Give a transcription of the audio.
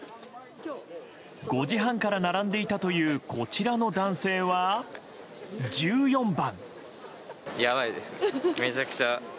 ５時半から並んでいたというこちらの男性は１４番。